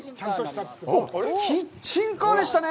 キッチンカーでしたね。